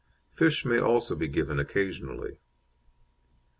Fish may also be given occasionally.